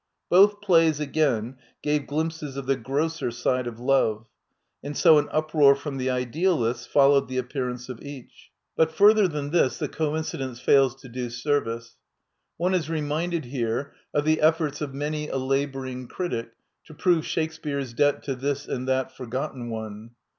Both plays, again, gave glimpses of the grosser side^df tgV^gTl tnd so an UpfOar from the idealists followed the appearance of each, but fur vii Digitized by VjOOQIC INTRODUCTION ^ ther than this the coincidence fails to do service. One is reminded here of the efforts of many a laboring critic to prove Shakespeare's debt to this and that forgotten one."